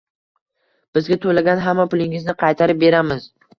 bizga toʻlagan hamma pulingizni qaytarib beramiz